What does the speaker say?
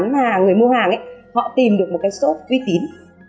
họ sẽ tìm được cái số tuy tín